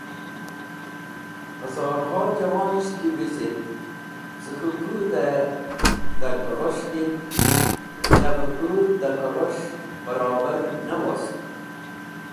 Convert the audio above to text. Hazorho jawon ki wizit ce k̃hũ pũdh-e da kalus̃h din, yav-e pũdh da kalus̃h barobar ne wost.